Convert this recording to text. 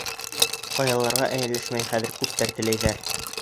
Ҡаяларға эйәләшмәй Хәҙер күптәр теләйҙәр.